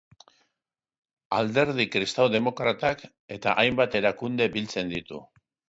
Alderdi kristau demokratak eta hainbat erakunde biltzen ditu.